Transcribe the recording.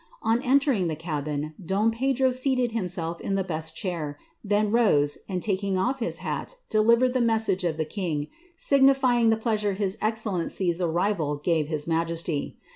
On entering the cabin, don Pedro seated him in the best chair, then rose, and taking off his hat, delivered th age of the king, signifying the pleasure his excellency's arrival gave Mjesty.